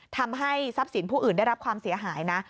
ทำให้ทรัพย์สินผู้อื่นได้รับความเสียหายนะ